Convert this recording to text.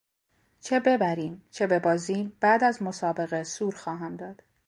چه ببریم چه ببازیم بعد از مسابقه سور خواهم داد.